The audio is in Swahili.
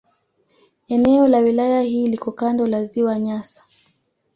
Eneo la wilaya hii liko kando la Ziwa Nyasa.